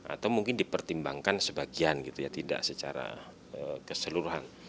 atau mungkin dipertimbangkan sebagian gitu ya tidak secara keseluruhan